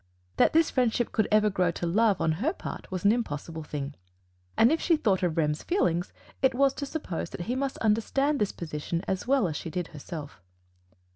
That this friendship could ever grow to love on her part was an impossible thing; and if she thought of Rem's feelings, it was to suppose that he must understand this position as well as she did herself.